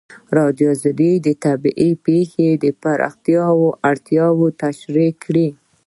ازادي راډیو د طبیعي پېښې د پراختیا اړتیاوې تشریح کړي.